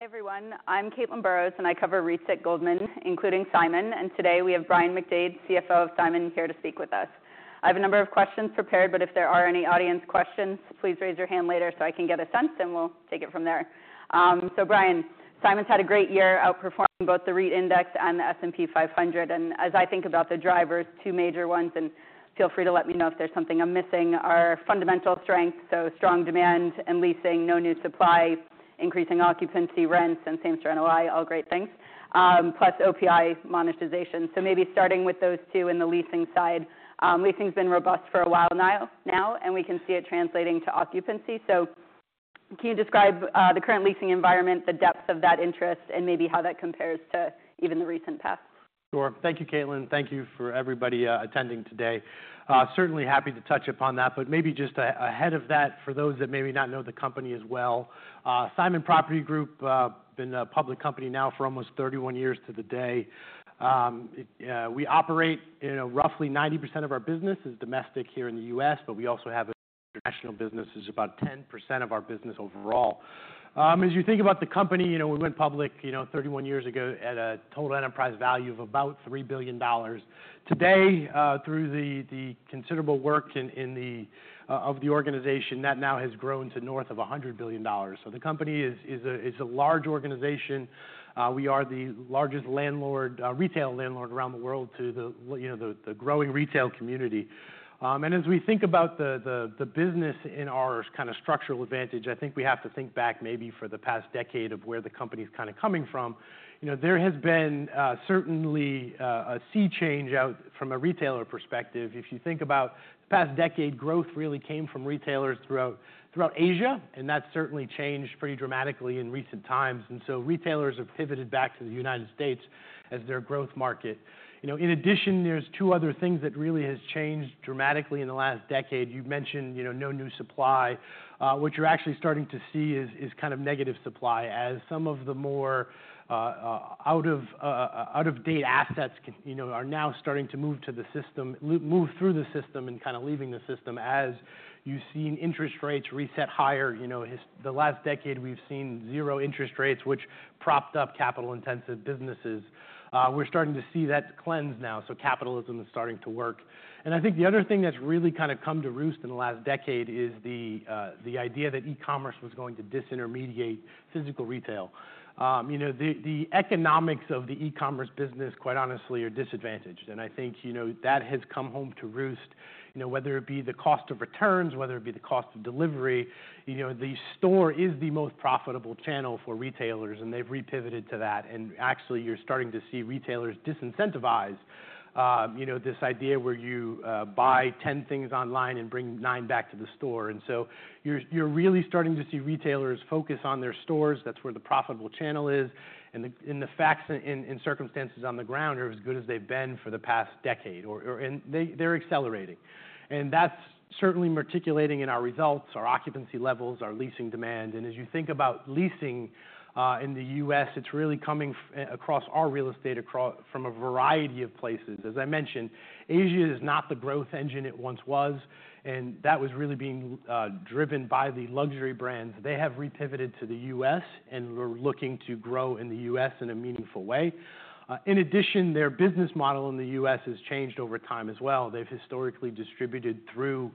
Hey, everyone. I'm Caitlin Burrows, and I cover REITs at Goldman, including Simon. And today we have Brian McDade, CFO of Simon, here to speak with us. I have a number of questions prepared, but if there are any audience questions, please raise your hand later so I can get a sense, and we'll take it from there, so Brian. Simon's had a great year, outperforming both the REIT index and the S&P 500. And as I think about the drivers, two major ones, and feel free to let me know if there's something I'm missing, are fundamental strengths, so strong demand and leasing, no new supply, increasing occupancy, rents, and same-store NOI, all great things, plus OPI monetization. So maybe starting with those two in the leasing side, leasing's been robust for a while now, and we can see it translating to occupancy. So, can you describe the current leasing environment, the depth of that interest, and maybe how that compares to even the recent past? Sure. Thank you, Caitlin. Thank you for everybody attending today. Certainly happy to touch upon that. But maybe just ahead of that, for those that maybe not know the company as well, Simon Property Group, been a public company now for almost 31 years to the day. We operate, you know, roughly 90% of our business is domestic here in the U.S., but we also have international businesses, about 10% of our business overall. As you think about the company, you know, we went public, you know, 31 years ago at a total enterprise value of about $3 billion. Today, through the considerable work of the organization, that now has grown to north of $100 billion. So the company is a large organization. We are the largest landlord, retail landlord around the world to the, you know, the growing retail community. As we think about the business in our kind of structural advantage, I think we have to think back maybe for the past decade of where the company's kind of coming from. You know, there has been certainly a sea change from a retailer perspective. If you think about the past decade, growth really came from retailers throughout Asia, and that's certainly changed pretty dramatically in recent times. And so retailers have pivoted back to the United States as their growth market. You know, in addition, there's two other things that really have changed dramatically in the last decade. You mentioned, you know, no new supply. What you're actually starting to see is kind of negative supply, as some of the more out-of-date assets, you know, are now starting to move through the system and kind of leaving the system as you've seen interest rates reset higher. You know, the last decade we've seen zero interest rates, which propped up capital-intensive businesses. We're starting to see that cleanse now, so capitalism is starting to work. And I think the other thing that's really kind of come to roost in the last decade is the idea that e-commerce was going to disintermediate physical retail. You know, the economics of the e-commerce business, quite honestly, are disadvantaged. And I think, you know, that has come home to roost, you know, whether it be the cost of returns, whether it be the cost of delivery. You know, the store is the most profitable channel for retailers, and they've repivoted to that. Actually, you're starting to see retailers disincentivize, you know, this idea where you buy 10 things online and bring 9 back to the store. So you're really starting to see retailers focus on their stores. That's where the profitable channel is. And the facts and circumstances on the ground are as good as they've been for the past decade, or and they're accelerating. And that's certainly materializing in our results, our occupancy levels, our leasing demand. And as you think about leasing in the U.S., it's really coming across our real estate from a variety of places. As I mentioned, Asia is not the growth engine it once was, and that was really being driven by the luxury brands. They have repivoted to the US and are looking to grow in the US in a meaningful way. In addition, their business model in the US has changed over time as well. They've historically distributed through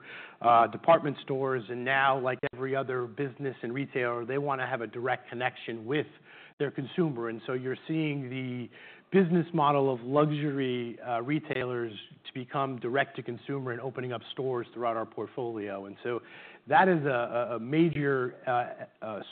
department stores, and now, like every other business and retailer, they want to have a direct connection with their consumer. And so you're seeing the business model of luxury retailers to become direct-to-consumer and opening up stores throughout our portfolio. And so that is a major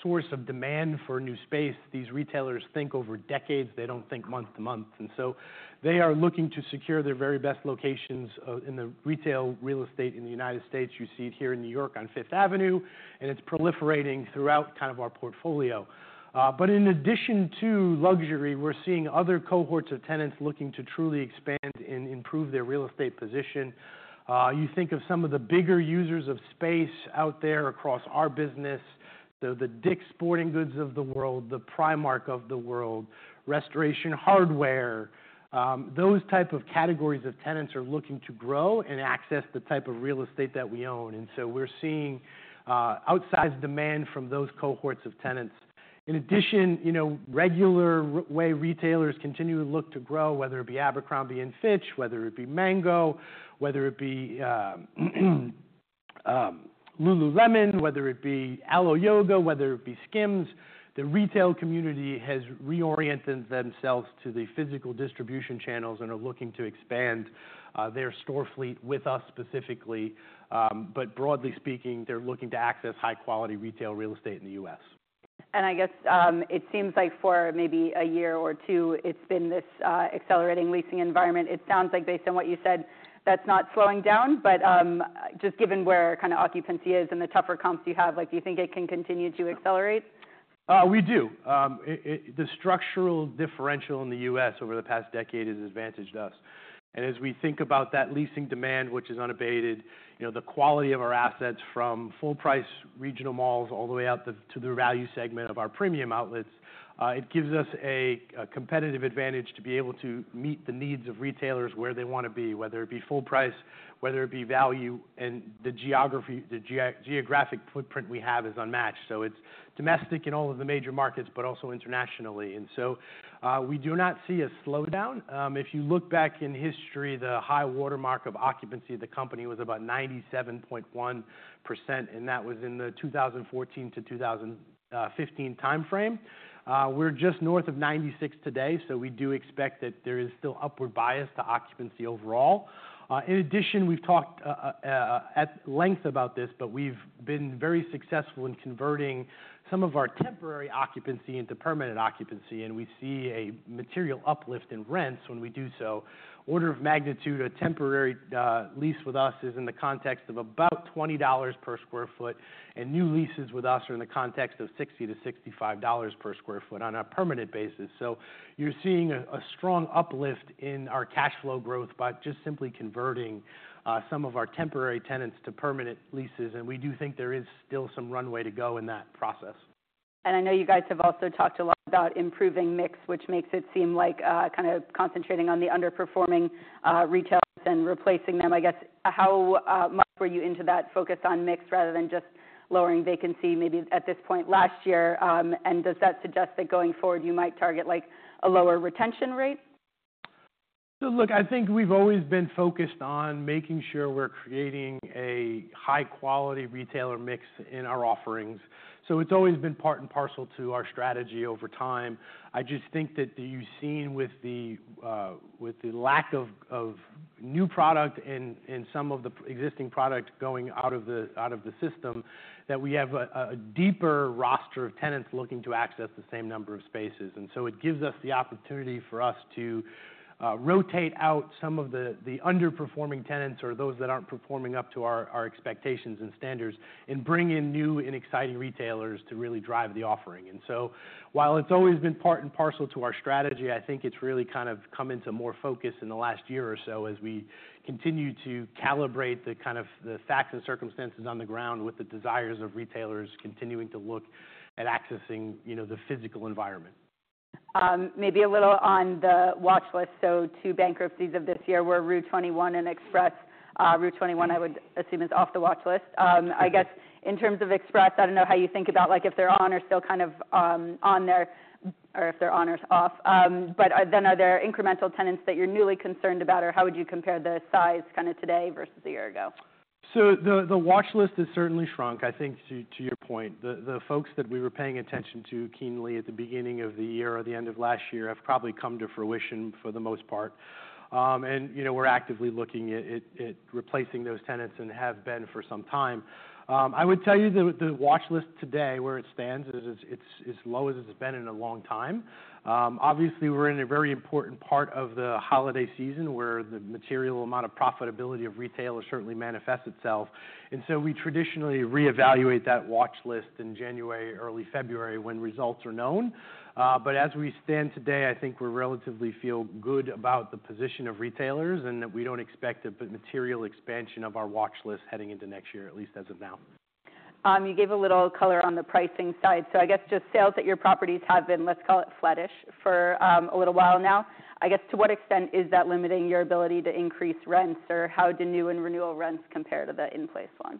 source of demand for new space. These retailers think over decades. They don't think month to month. And so they are looking to secure their very best locations in the retail real estate in the United States. You see it here in New York on Fifth Avenue, and it's proliferating throughout kind of our portfolio. But in addition to luxury, we're seeing other cohorts of tenants looking to truly expand and improve their real estate position. You think of some of the bigger users of space out there across our business, the Dick's Sporting Goods of the world, the Primark of the world, Restoration Hardware. Those types of categories of tenants are looking to grow and access the type of real estate that we own. And so we're seeing outsized demand from those cohorts of tenants. In addition, you know, regular way retailers continue to look to grow, whether it be Abercrombie & Fitch, whether it be Mango, whether it be Lululemon, whether it be AloYoga, whether it be Skims. The retail community has reoriented themselves to the physical distribution channels and are looking to expand their store fleet with us specifically. But broadly speaking, they're looking to access high-quality retail real estate in the U.S. I guess, it seems like for maybe a year or two, it's been this, accelerating leasing environment. It sounds like, based on what you said, that's not slowing down. But, just given where kind of occupancy is and the tougher comps you have, like, do you think it can continue to accelerate? We do. It, the structural differential in the U.S. over the past decade has advantaged us. And as we think about that leasing demand, which is unabated, you know, the quality of our assets from full-price regional malls all the way out to the value segment of our premium outlets, it gives us a competitive advantage to be able to meet the needs of retailers where they want to be, whether it be full price, whether it be value. And the geography, the geographic footprint we have is unmatched. So it's domestic in all of the major markets, but also internationally. And so, we do not see a slowdown. If you look back in history, the high watermark of occupancy of the company was about 97.1%, and that was in the 2014-2015 timeframe. We're just north of 96% today, so we do expect that there is still upward bias to occupancy overall, in addition, we've talked at length about this, but we've been very successful in converting some of our temporary occupancy into permanent occupancy, and we see a material uplift in rents when we do so. Order of magnitude, a temporary lease with us is in the context of about $20 per sq ft, and new leases with us are in the context of $60-$65 per sq ft on a permanent basis, so you're seeing a strong uplift in our cash flow growth by just simply converting some of our temporary tenants to permanent leases, and we do think there is still some runway to go in that process. And I know you guys have also talked a lot about improving mix, which makes it seem like, kind of concentrating on the underperforming retailers and replacing them. I guess how much were you into that focus on mix rather than just lowering vacancy maybe at this point last year? And does that suggest that going forward you might target, like, a lower retention rate? So look, I think we've always been focused on making sure we're creating a high-quality retailer mix in our offerings. So it's always been part and parcel to our strategy over time. I just think that you've seen with the lack of new product and some of the existing product going out of the system that we have a deeper roster of tenants looking to access the same number of spaces. And so it gives us the opportunity for us to rotate out some of the underperforming tenants or those that aren't performing up to our expectations and standards and bring in new and exciting retailers to really drive the offering. While it's always been part and parcel to our strategy, I think it's really kind of come into more focus in the last year or so as we continue to calibrate the kind of facts and circumstances on the ground with the desires of retailers continuing to look at accessing, you know, the physical environment. Maybe a little on the watch list. So two bankruptcies of this year were rue21 and Express. Rue21, I would assume, is off the watch list. I guess in terms of Express, I don't know how you think about, like, if they're on or still kind of, on there or if they're on or off. But then are there incremental tenants that you're newly concerned about, or how would you compare the size kind of today versus a year ago? So the watch list has certainly shrunk, I think, to your point. The folks that we were paying attention to keenly at the beginning of the year or the end of last year have probably come to fruition for the most part, and you know, we're actively looking at replacing those tenants and have been for some time. I would tell you the watch list today, where it stands, is as low as it's been in a long time. Obviously, we're in a very important part of the holiday season where the material amount of profitability of retailers certainly manifests itself. And so we traditionally reevaluate that watch list in January, early February when results are known. But as we stand today, I think we relatively feel good about the position of retailers and that we don't expect a material expansion of our watch list heading into next year, at least as of now. You gave a little color on the pricing side. So I guess just sales at your properties have been, let's call it, flattish for, a little while now. I guess to what extent is that limiting your ability to increase rents, or how do new and renewal rents compare to the in-place ones?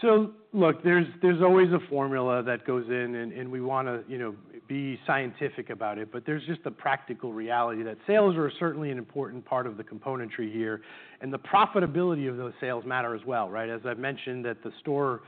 So look, there's always a formula that goes in, and we want to, you know, be scientific about it. But there's just the practical reality that sales are certainly an important part of the componentry here, and the profitability of those sales matters as well, right? As I've mentioned, that the store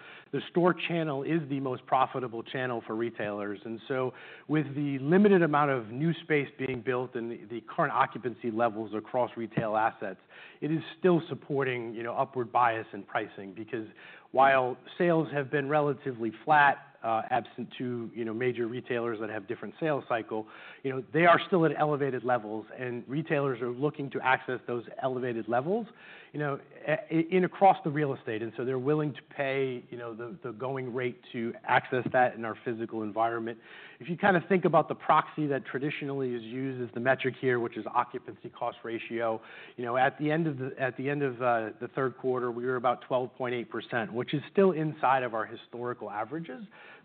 channel is the most profitable channel for retailers. And so with the limited amount of new space being built and the current occupancy levels across retail assets, it is still supporting, you know, upward bias in pricing because while sales have been relatively flat, absent to, you know, major retailers that have different sales cycles, you know, they are still at elevated levels, and retailers are looking to access those elevated levels, you know, in across the real estate. And so they're willing to pay, you know, the going rate to access that in our physical environment. If you kind of think about the proxy that traditionally is used as the metric here, which is occupancy cost ratio, you know, at the end of the third quarter, we were about 12.8%, which is still inside of our historical averages.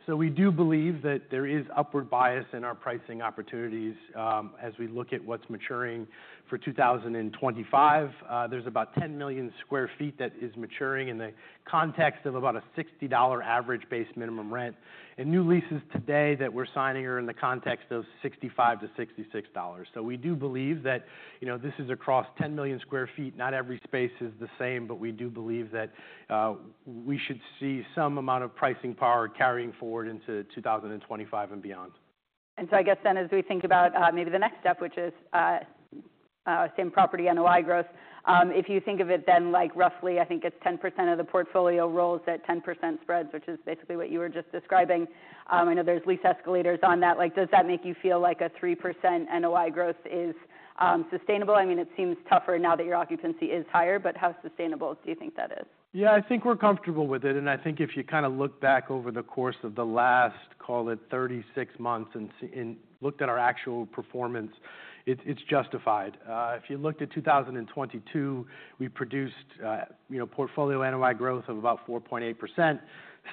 So we do believe that there is upward bias in our pricing opportunities, as we look at what's maturing for 2025. There's about 10 million sq ft that is maturing in the context of about a $60 average base minimum rent. And new leases today that we're signing are in the context of $65-$66. So we do believe that, you know, this is across 10 million sq ft. Not every space is the same, but we do believe that we should see some amount of pricing power carrying forward into 2025 and beyond. And so I guess then, as we think about maybe the next step, which is same-store NOI growth, if you think of it then like roughly, I think it's 10% of the portfolio rolls at 10% spreads, which is basically what you were just describing. I know there's lease escalators on that. Like, does that make you feel like a 3% NOI growth is sustainable? I mean, it seems tougher now that your occupancy is higher, but how sustainable do you think that is? Yeah, I think we're comfortable with it, and I think if you kind of look back over the course of the last, call it, 36 months and looked at our actual performance, it's justified. If you looked at 2022, we produced, you know, portfolio NOI growth of about 4.8%.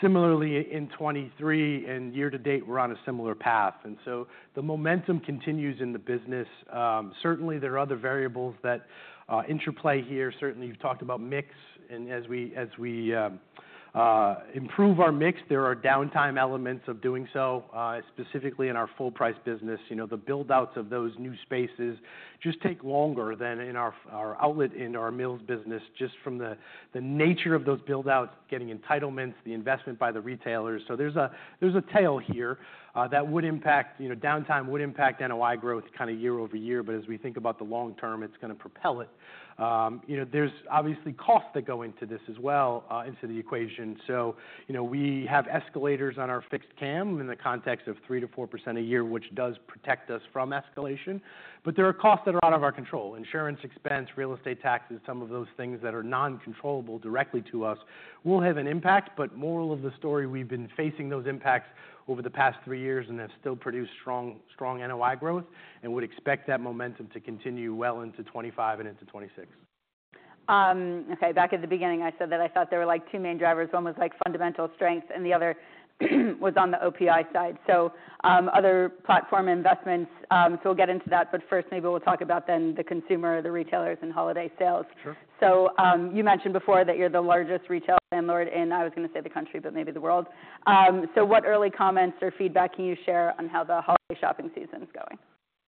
Similarly, in 2023 and year to date, we're on a similar path. And so the momentum continues in the business. Certainly, there are other variables that interplay here. Certainly, you've talked about MIX, and as we improve our MIX, there are downtime elements of doing so, specifically in our full-price business. You know, the buildouts of those new spaces just take longer than in our outlet in our mills business, just from the nature of those buildouts, getting entitlements, the investment by the retailers. So there's a tail here that would impact, you know, downtime would impact NOI growth kind of year over year. But as we think about the long term, it's going to propel it. You know, there's obviously costs that go into this as well, into the equation. So, you know, we have escalators on our fixed CAM in the context of 3%-4% a year, which does protect us from escalation. But there are costs that are out of our control: insurance expense, real estate taxes, some of those things that are non-controllable directly to us will have an impact. But moral of the story, we've been facing those impacts over the past three years and have still produced strong, strong NOI growth and would expect that momentum to continue well into 2025 and into 2026. Okay. Back at the beginning, I said that I thought there were like two main drivers. One was like fundamental strength, and the other was on the OPI side. So, other platform investments, so we'll get into that. But first, maybe we'll talk about then the consumer, the retailers, and holiday sales. Sure. So, you mentioned before that you're the largest retail landlord in, I was going to say the country, but maybe the world. So what early comments or feedback can you share on how the holiday shopping season's going?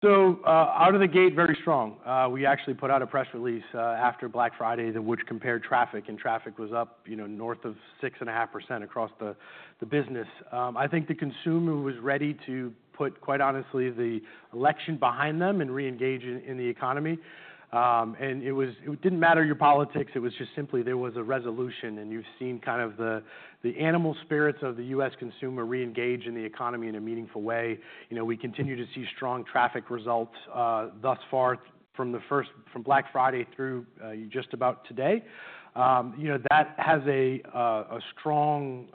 So, out of the gate, very strong. We actually put out a press release after Black Friday, which compared traffic, and traffic was up, you know, north of 6.5% across the business. I think the consumer was ready to put, quite honestly, the election behind them and reengage in the economy, and it was; it didn't matter your politics. It was just simply there was a resolution, and you've seen kind of the animal spirits of the U.S. consumer reengage in the economy in a meaningful way. You know, we continue to see strong traffic results thus far from Black Friday through just about today, you know, that has a strong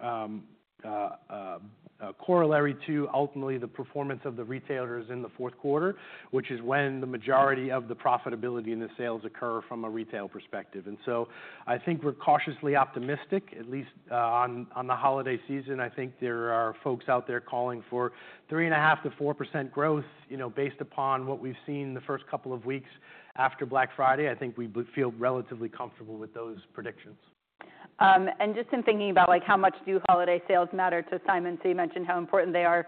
corollary to ultimately the performance of the retailers in the fourth quarter, which is when the majority of the profitability in the sales occur from a retail perspective. So I think we're cautiously optimistic, at least, on the holiday season. I think there are folks out there calling for 3.5%-4% growth, you know, based upon what we've seen the first couple of weeks after Black Friday. I think we feel relatively comfortable with those predictions. And just in thinking about, like, how much do holiday sales matter to Simon? So you mentioned how important they are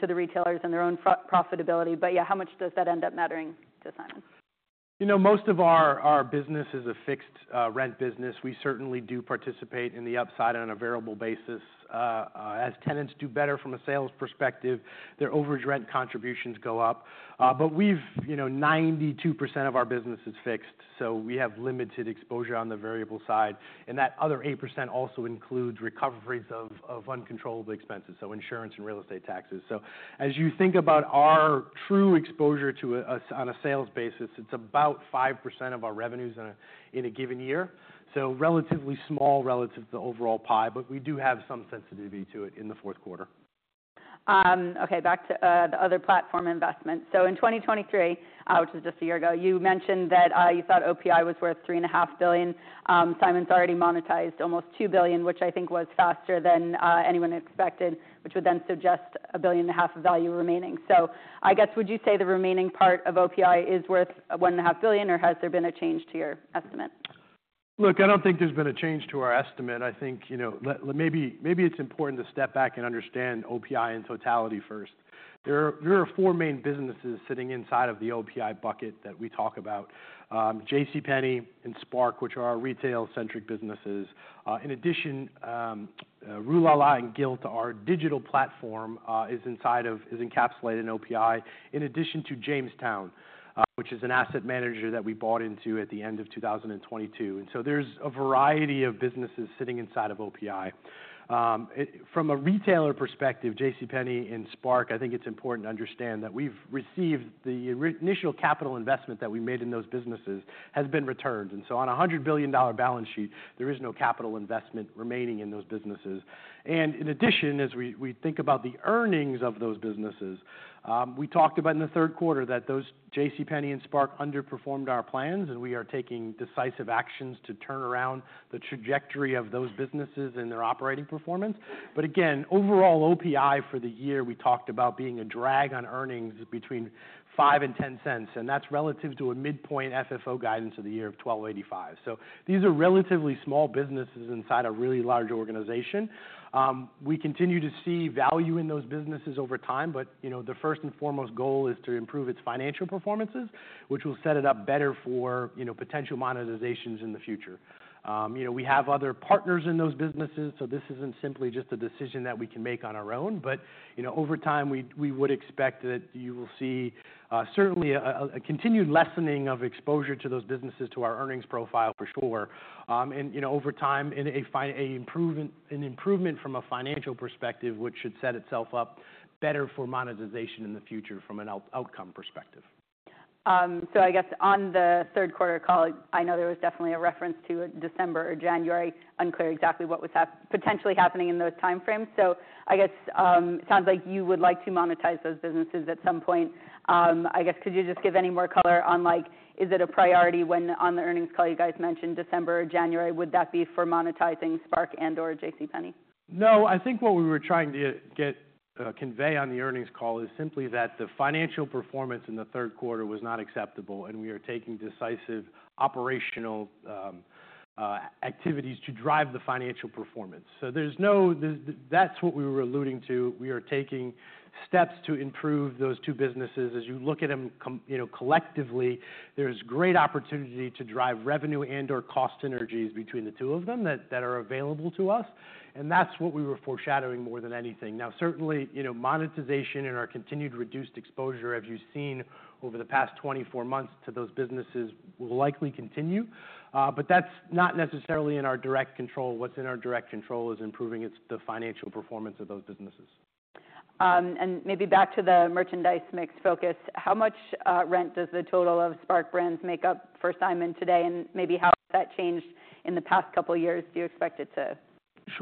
to the retailers and their own profitability. But yeah, how much does that end up mattering to Simon? You know, most of our business is a fixed-rent business. We certainly do participate in the upside on a variable basis. As tenants do better from a sales perspective, their overage rent contributions go up. But we've, you know, 92% of our business is fixed, so we have limited exposure on the variable side. And that other 8% also includes recoveries of uncontrollable expenses, so insurance and real estate taxes. So as you think about our true exposure to a on a sales basis, it's about 5% of our revenues in a given year. So relatively small relative to the overall pie, but we do have some sensitivity to it in the fourth quarter. Okay. Back to the other platform investments. So in 2023, which was just a year ago, you mentioned that you thought OPI was worth $3.5 billion. Simon's already monetized almost $2 billion, which I think was faster than anyone expected, which would then suggest $1.5 billion of value remaining. So I guess, would you say the remaining part of OPI is worth $1.5 billion, or has there been a change to your estimate? Look, I don't think there's been a change to our estimate. I think, you know, maybe it's important to step back and understand OPI in totality first. There are four main businesses sitting inside of the OPI bucket that we talk about, JCPenney and SPARC, which are our retail-centric businesses. In addition, Rue La La and Gilt, our digital platform, is inside of, encapsulated in OPI, in addition to Jamestown, which is an asset manager that we bought into at the end of 2022. And so there's a variety of businesses sitting inside of OPI. From a retailer perspective, JCPenney and SPARC, I think it's important to understand that we've received the initial capital investment that we made in those businesses has been returned. And so on a $100 billion balance sheet, there is no capital investment remaining in those businesses. In addition, as we think about the earnings of those businesses, we talked about in the third quarter that those JCPenney and SPARC underperformed our plans, and we are taking decisive actions to turn around the trajectory of those businesses and their operating performance. But again, overall OPI for the year, we talked about being a drag on earnings between $0.05 and $0.10, and that's relative to a midpoint FFO guidance of the year of 1285. So these are relatively small businesses inside a really large organization. We continue to see value in those businesses over time, but, you know, the first and foremost goal is to improve its financial performances, which will set it up better for, you know, potential monetizations in the future. You know, we have other partners in those businesses, so this isn't simply just a decision that we can make on our own. But you know, over time, we would expect that you will see certainly a continued lessening of exposure to those businesses to our earnings profile for sure. And you know, over time, in a financial improvement, an improvement from a financial perspective, which should set itself up better for monetization in the future from an outcome perspective. So I guess on the third quarter call, I know there was definitely a reference to a December or January, unclear exactly what was potentially happening in those time frames. So I guess, it sounds like you would like to monetize those businesses at some point. I guess, could you just give any more color on, like, is it a priority when on the earnings call you guys mentioned December or January, would that be for monetizing SPARC and/or JCPenney? No, I think what we were trying to get across, convey on the earnings call is simply that the financial performance in the third quarter was not acceptable, and we are taking decisive operational activities to drive the financial performance, so there's no, that's what we were alluding to. We are taking steps to improve those two businesses. As you look at them, you know, collectively, there's great opportunity to drive revenue and/or cost synergies between the two of them that are available to us. And that's what we were foreshadowing more than anything. Now, certainly, you know, monetization and our continued reduced exposure, as you've seen over the past 24 months to those businesses, will likely continue, but that's not necessarily in our direct control. What's in our direct control is improving the financial performance of those businesses. And maybe back to the merchandise mix focus. How much rent does the total of SPARC brands make up for Simon today? And maybe how has that changed in the past couple of years? Do you expect it to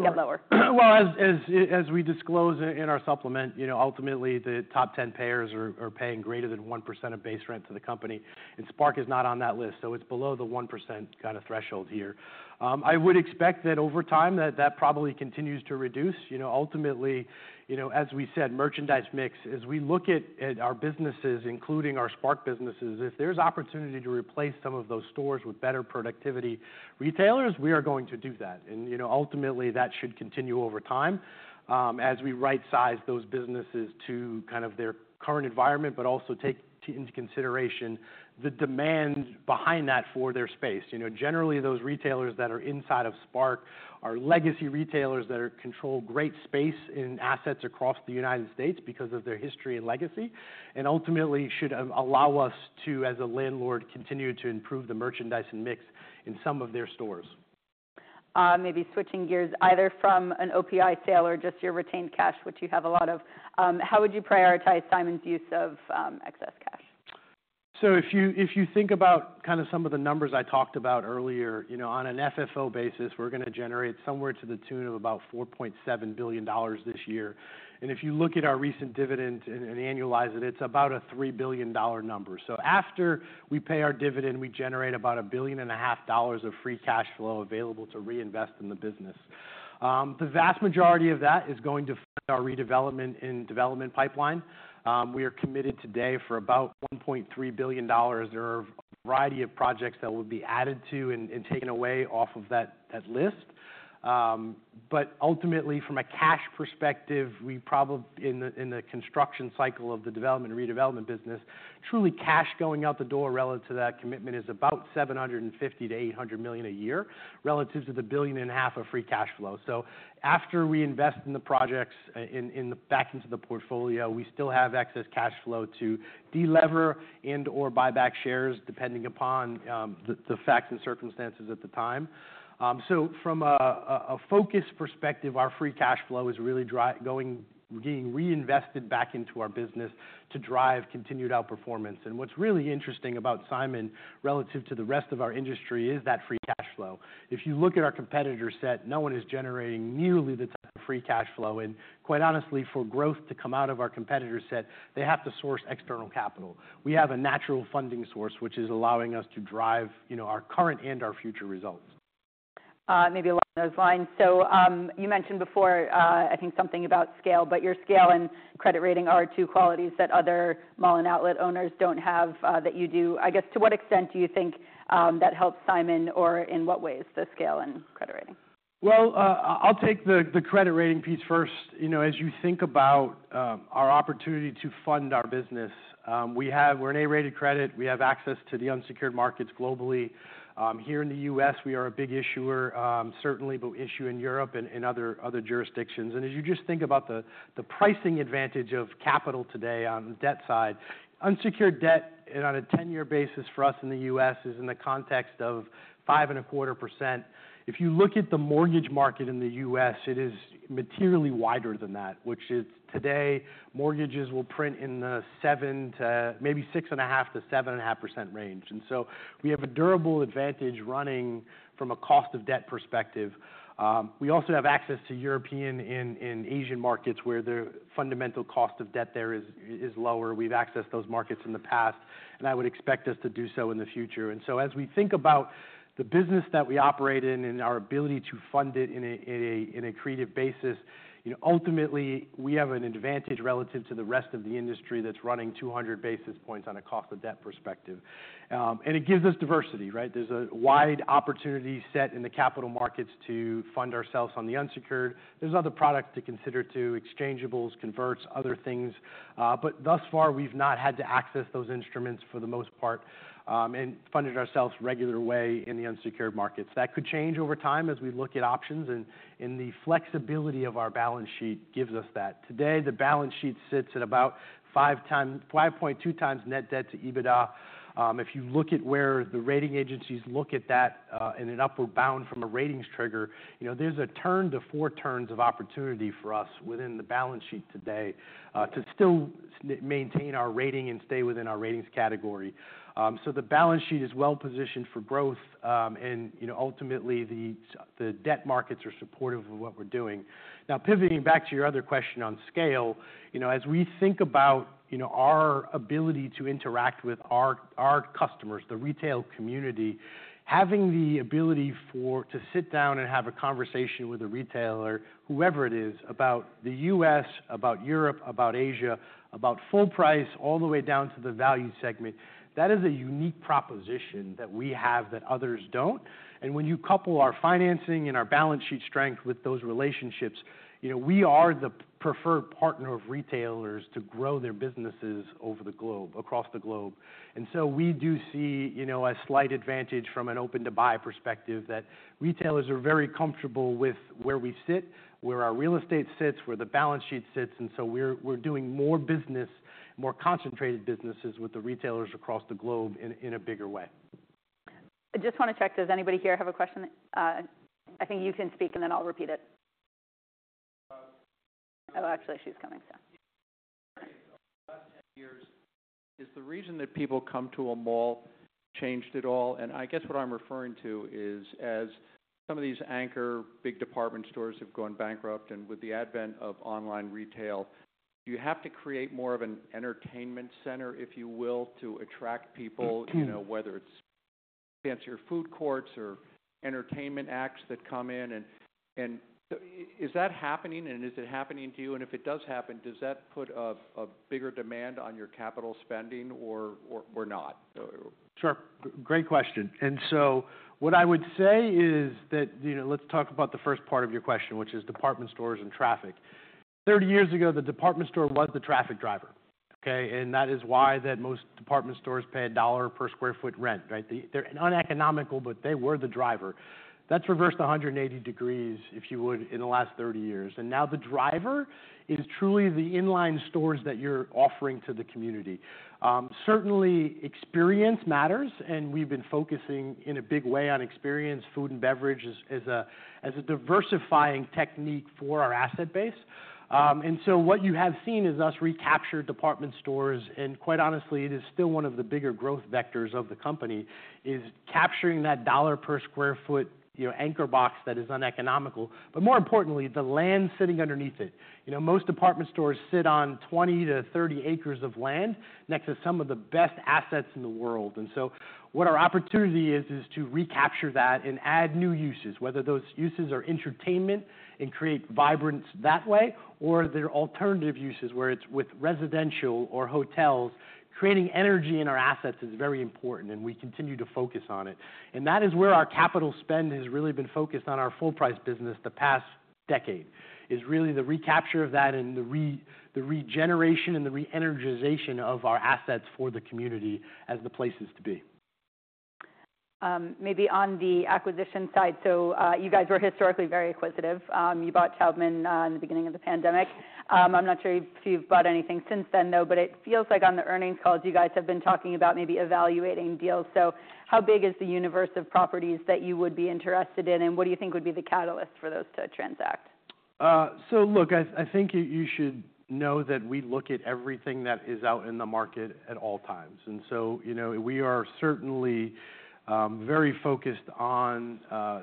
get lower? Sure. Well, as we disclose in our supplement, you know, ultimately the top 10 payers are paying greater than 1% of base rent to the company. And SPARC is not on that list, so it's below the 1% kind of threshold here. I would expect that over time that probably continues to reduce. You know, ultimately, you know, as we said, merchandise mix, as we look at our businesses, including our SPARC businesses, if there's opportunity to replace some of those stores with better productivity retailers, we are going to do that. And, you know, ultimately that should continue over time, as we right-size those businesses to kind of their current environment, but also take into consideration the demand behind that for their space. You know, generally those retailers that are inside of SPARC are legacy retailers that control great space in assets across the United States because of their history and legacy, and ultimately should allow us to, as a landlord, continue to improve the merchandise and mix in some of their stores. Maybe switching gears, either from an OPI sale or just your retained cash, which you have a lot of, how would you prioritize Simon's use of excess cash? So if you think about kind of some of the numbers I talked about earlier, you know, on an FFO basis, we're going to generate somewhere to the tune of about $4.7 billion this year. And if you look at our recent dividend and annualize it, it's about a $3 billion number. So after we pay our dividend, we generate about $1.5 billion of free cash flow available to reinvest in the business. The vast majority of that is going to fund our redevelopment and development pipeline. We are committed today for about $1.3 billion. There are a variety of projects that will be added to and taken away off of that list. But ultimately, from a cash perspective, we probably in the construction cycle of the development and redevelopment business truly cash going out the door relative to that commitment is about $750 million-$800 million a year relative to the $1.5 billion of free cash flow. So after we invest in the projects in the back into the portfolio, we still have excess cash flow to delever and/or buy back shares depending upon the facts and circumstances at the time. From a focus perspective, our free cash flow is really driving being reinvested back into our business to drive continued outperformance. What's really interesting about Simon relative to the rest of our industry is that free cash flow. If you look at our competitor set, no one is generating nearly the type of free cash flow. Quite honestly, for growth to come out of our competitor set, they have to source external capital. We have a natural funding source, which is allowing us to drive, you know, our current and our future results. Maybe along those lines. So, you mentioned before, I think something about scale, but your scale and credit rating are two qualities that other mall and outlet owners don't have, that you do. I guess to what extent do you think that helps Simon, or in what ways the scale and credit rating? I'll take the credit rating piece first. You know, as you think about our opportunity to fund our business, we have we're an A-rated credit. We have access to the unsecured markets globally. Here in the U.S., we are a big issuer, certainly, but issue in Europe and other jurisdictions. As you just think about the pricing advantage of capital today on the debt side, unsecured debt on a 10-year basis for us in the U.S. is in the context of 5.25%. If you look at the mortgage market in the U.S., it is materially wider than that, which is today mortgages will print in the seven to maybe 6.5%-7.5% range. So we have a durable advantage running from a cost of debt perspective. We also have access to European and Asian markets where the fundamental cost of debt there is lower. We've accessed those markets in the past, and I would expect us to do so in the future. So as we think about the business that we operate in and our ability to fund it in a creative basis, you know, ultimately we have an advantage relative to the rest of the industry that's running 200 basis points on a cost of debt perspective. It gives us diversity, right? There's a wide opportunity set in the capital markets to fund ourselves on the unsecured. There's other products to consider too, exchangeables, converts, other things. But thus far we've not had to access those instruments for the most part, and funded ourselves regular way in the unsecured markets. That could change over time as we look at options, and the flexibility of our balance sheet gives us that. Today, the balance sheet sits at about five times, 5.2 times net debt to EBITDA. If you look at where the rating agencies look at that, in an upward bound from a ratings trigger, you know, there's a turn to four turns of opportunity for us within the balance sheet today, to still maintain our rating and stay within our ratings category. The balance sheet is well positioned for growth, and, you know, ultimately the debt markets are supportive of what we're doing. Now, pivoting back to your other question on scale, you know, as we think about, you know, our ability to interact with our customers, the retail community, having the ability to sit down and have a conversation with a retailer, whoever it is, about the U.S., about Europe, about Asia, about full price all the way down to the value segment, that is a unique proposition that we have that others don't. And when you couple our financing and our balance sheet strength with those relationships, you know, we are the preferred partner of retailers to grow their businesses over the globe, across the globe. And so we do see, you know, a slight advantage from an open-to-buy perspective that retailers are very comfortable with where we sit, where our real estate sits, where the balance sheet sits. We're doing more business, more concentrated businesses with the retailers across the globe in a bigger way. I just want to check, does anybody here have a question? I think you can speak and then I'll repeat it. Oh, actually she's coming, so. Last 10 years, is the reason that people come to a mall changed at all? And I guess what I'm referring to is as some of these anchor big department stores have gone bankrupt and with the advent of online retail, you have to create more of an entertainment center, if you will, to attract people, you know, whether it's fancy or food courts or entertainment acts that come in. And is that happening and is it happening to you? And if it does happen, does that put a bigger demand on your capital spending or not? Sure. Great question. And so what I would say is that, you know, let's talk about the first part of your question, which is department stores and traffic. 30 years ago, the department store was the traffic driver, okay? And that is why that most department stores pay $1 per sq ft rent, right? They're uneconomical, but they were the driver. That's reversed 180 degrees, if you would, in the last 30 years. And now the driver is truly the inline stores that you're offering to the community. Certainly experience matters, and we've been focusing in a big way on experience, food and beverage as a diversifying technique for our asset base. And so what you have seen is us recapture department stores. Quite honestly, it is still one of the bigger growth vectors of the company: capturing that $1 per sq ft, you know, anchor box that is uneconomical, but more importantly, the land sitting underneath it. You know, most department stores sit on 20-30 acres of land next to some of the best assets in the world. What our opportunity is, is to recapture that and add new uses, whether those uses are entertainment and create vibrance that way, or there are alternative uses where it's with residential or hotels. Creating energy in our assets is very important, and we continue to focus on it. And that is where our capital spend has really been focused on our full price business the past decade, is really the recapture of that and the regeneration and the reenergization of our assets for the community as the places to be. Maybe on the acquisition side, so, you guys were historically very acquisitive. You bought Taubman in the beginning of the pandemic. I'm not sure if you've bought anything since then though, but it feels like on the earnings calls you guys have been talking about maybe evaluating deals. So how big is the universe of properties that you would be interested in, and what do you think would be the catalyst for those to transact? So look, I think you should know that we look at everything that is out in the market at all times. And so, you know, we are certainly very focused on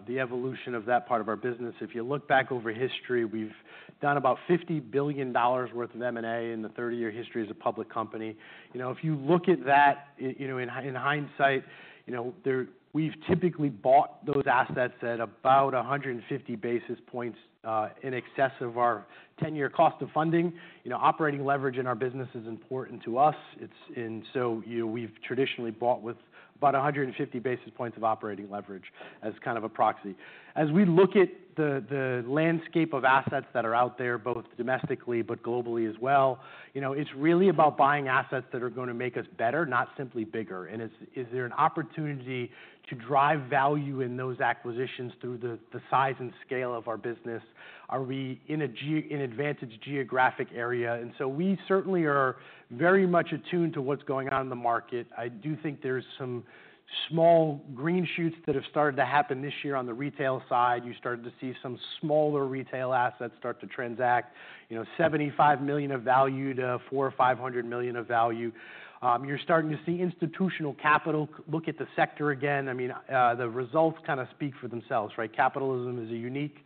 the evolution of that part of our business. If you look back over history, we've done about $50 billion worth of M&A in the 30-year history as a public company. You know, if you look at that, you know, in hindsight, you know, we've typically bought those assets at about 150 basis points in excess of our 10-year cost of funding. You know, operating leverage in our business is important to us. It's, and so, you know, we've traditionally bought with about 150 basis points of operating leverage as kind of a proxy. As we look at the landscape of assets that are out there, both domestically, but globally as well, you know, it's really about buying assets that are going to make us better, not simply bigger. Is there an opportunity to drive value in those acquisitions through the size and scale of our business? Are we in a geographically advantaged area? So we certainly are very much attuned to what's going on in the market. I do think there's some small green shoots that have started to happen this year on the retail side. You started to see some smaller retail assets start to transact, you know, $75 million to $400 million or $500 million of value. You're starting to see institutional capital look at the sector again. I mean, the results kind of speak for themselves, right? Capitalism is a unique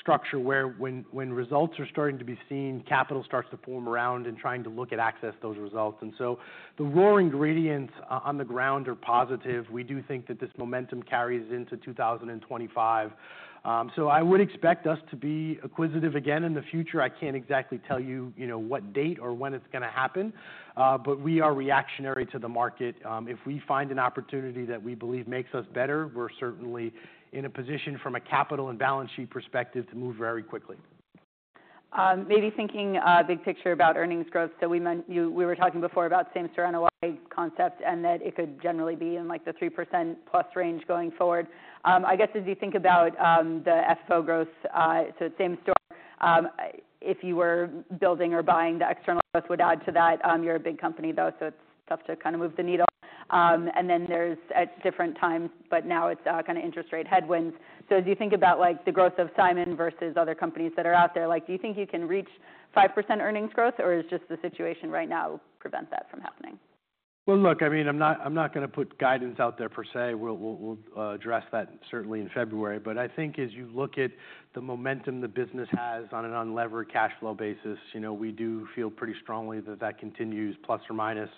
structure where when results are starting to be seen, capital starts to form around and trying to look at access those results, and so the raw ingredients on the ground are positive. We do think that this momentum carries into 2025, so I would expect us to be acquisitive again in the future. I can't exactly tell you, you know, what date or when it's going to happen, but we are reactionary to the market, if we find an opportunity that we believe makes us better, we're certainly in a position from a capital and balance sheet perspective to move very quickly. Maybe thinking big picture about earnings growth. So we met you, we were talking before about same-store NOI concept and that it could generally be in like the 3% plus range going forward. I guess as you think about the FFO growth, so same-store, if you were building or buying the external growth would add to that. You're a big company though, so it's tough to kind of move the needle. And then there's at different times, but now it's kind of interest rate headwinds. So as you think about like the growth of Simon versus other companies that are out there, like do you think you can reach 5% earnings growth or is just the situation right now prevent that from happening? Well, look, I mean, I'm not, I'm not going to put guidance out there per se. We'll, we'll, we'll address that certainly in February. But I think as you look at the momentum the business has on an unlevered cash flow basis, you know, we do feel pretty strongly that that continues plus or minus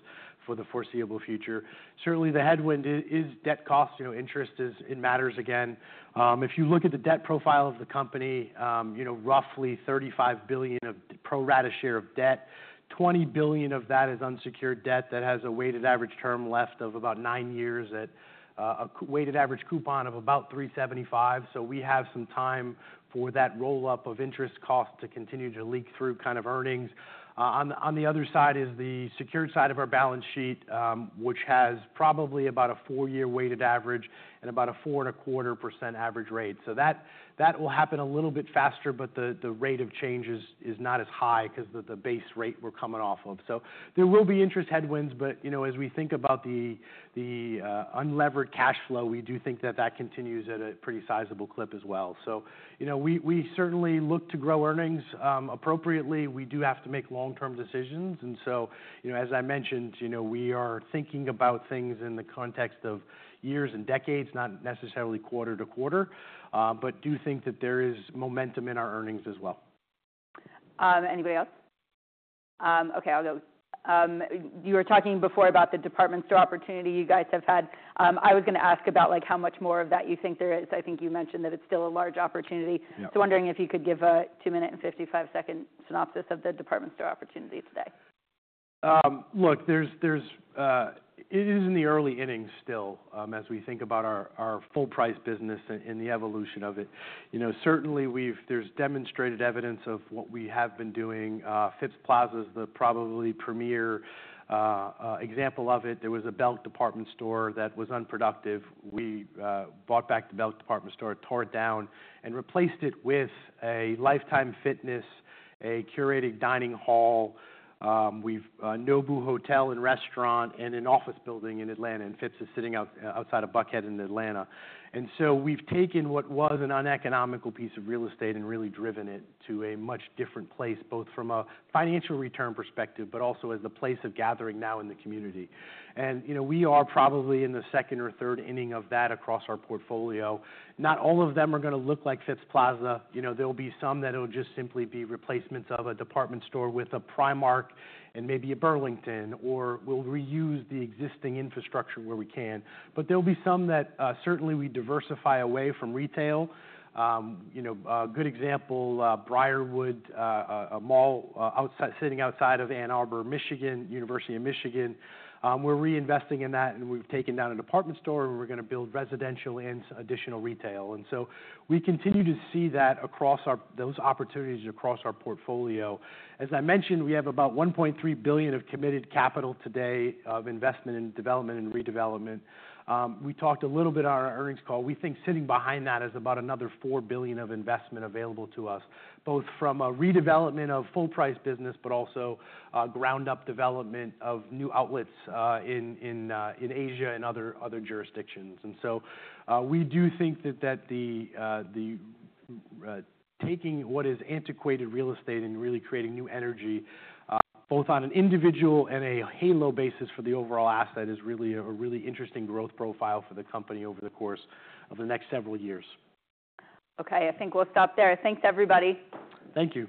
for the foreseeable future. Certainly the headwind is debt cost, you know, interest is, it matters again. If you look at the debt profile of the company, you know, roughly $35 billion of pro rata share of debt, $20 billion of that is unsecured debt that has a weighted average term left of about nine years at a weighted average coupon of about 3.75%. So we have some time for that roll up of interest cost to continue to leak through kind of earnings. On the other side is the secured side of our balance sheet, which has probably about a four-year weighted average and about a 4.25% average rate. So that will happen a little bit faster, but the rate of change is not as high because the base rate we're coming off of. So there will be interest headwinds, but you know, as we think about the unlevered cash flow, we do think that that continues at a pretty sizable clip as well. So, you know, we certainly look to grow earnings, appropriately. We do have to make long-term decisions. And so, you know, as I mentioned, you know, we are thinking about things in the context of years and decades, not necessarily quarter to quarter, but do think that there is momentum in our earnings as well. Anybody else? Okay, I'll go. You were talking before about the department store opportunity you guys have had. I was going to ask about like how much more of that you think there is. I think you mentioned that it's still a large opportunity. So wondering if you could give a two-minute and 55-second synopsis of the department store opportunity today. Look, there is it is in the early innings still, as we think about our full price business and the evolution of it. You know, certainly there is demonstrated evidence of what we have been doing. Phipps Plaza is probably the premier example of it. There was a Belk department store that was unproductive. We bought back the Belk department store, tore it down and replaced it with a Life Time Fitness, a curated dining hall, Nobu Hotel and restaurant and an office building in Atlanta and Phipps is sitting outside of Buckhead in Atlanta. So we have taken what was an uneconomical piece of real estate and really driven it to a much different place, both from a financial return perspective, but also as the place of gathering now in the community. You know, we are probably in the second or third inning of that across our portfolio. Not all of them are going to look like Phipps Plaza. You know, there'll be some that'll just simply be replacements of a department store with a Primark and maybe a Burlington, or we'll reuse the existing infrastructure where we can. There'll be some that certainly we diversify away from retail. You know, a good example, Briarwood, a mall, outside of Ann Arbor, Michigan, University of Michigan. We're reinvesting in that and we've taken down a department store and we're going to build residential and additional retail. So we continue to see that across our, those opportunities across our portfolio. As I mentioned, we have about $1.3 billion of committed capital today of investment in development and redevelopment. We talked a little bit on our earnings call. We think sitting behind that is about another $4 billion of investment available to us, both from a redevelopment of full price business, but also ground up development of new outlets in Asia and other jurisdictions. We do think that the taking what is antiquated real estate and really creating new energy, both on an individual and a halo basis for the overall asset is really an interesting growth profile for the company over the course of the next several years. Okay, I think we'll stop there. Thanks everybody. Thank you.